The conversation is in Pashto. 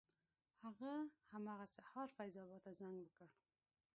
هغه همغه سهار فیض اباد ته زنګ وکړ.